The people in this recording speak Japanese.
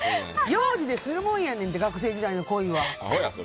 行事でするもんやねんって学生時代の恋は。